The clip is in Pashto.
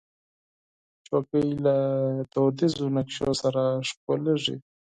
چوکۍ له دودیزو نقشو سره ښکليږي.